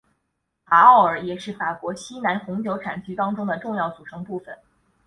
卡奥尔也是法国西南红酒产区当中的重要组成部分。